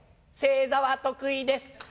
正座は得意です。